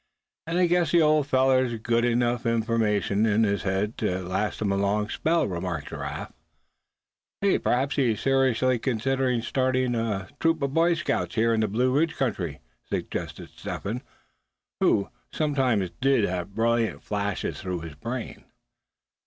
"And I guess the old feller's got enough information in his head to last him a long spell," remarked Giraffe. "Say, p'raps he's seriously considerin' starting a troop of Boy Scouts here in the Blue Ridge country," suggested Step Hen, who sometimes did have brilliant ideas flash through his brain.